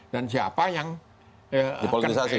dan siapa yang dipolitisasi